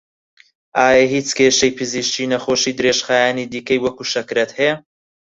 ئایا هیچ کێشەی پزیشکی نەخۆشی درێژخایەنی دیکەی وەکوو شەکرەت هەیە؟